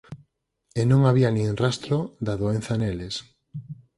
E non había nin rastro da doenza neles.